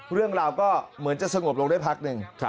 เรื่องราวก็เหมือนจะสงบลงได้พักหนึ่ง